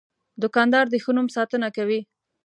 دوکاندار د ښه نوم ساتنه کوي.